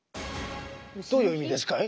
どういう意味ですかい？